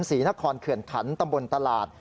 ศรีนครเขื่อนขันตำบลตลาด